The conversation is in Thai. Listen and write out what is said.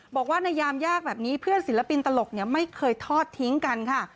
บอกว่าในยามยากแบบนี้เพื่อนศิลปินตลกไม่เคยทอดทิ้งกันค่ะ